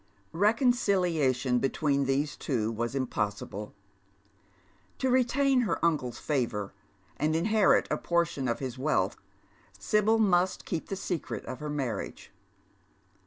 Keconciliation between these two was impossible. To retain her uncle's favour and inherit a portion of his wealth, Sibyl must keep the secret of her marriage.